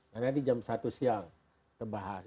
karena di jam satu siang terbahas